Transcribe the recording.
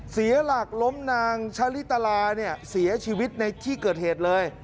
เสียหลักล้มนางชะลิตาราเนี่ยเสียชีวิตในที่เกิดเหตุเลย